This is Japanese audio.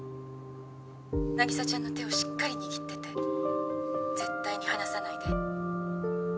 凪沙ちゃんの手をしっかり握ってて絶対に離さないで。